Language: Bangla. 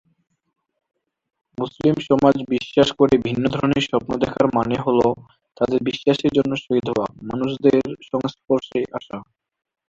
মুসলিম সমাজ বিশ্বাস করে ভিন্ন ধরনের স্বপ্ন দেখার মানে হল, তাদের বিশ্বাসের জন্য শহীদ হওয়া, মানুষদের সংস্পর্শে আসা।